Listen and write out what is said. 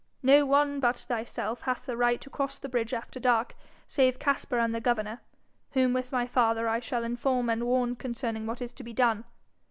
No one but thyself hath a right to cross the bridge after dark, save Caspar and the governor, whom with my father I shall inform and warn concerning what is to be done.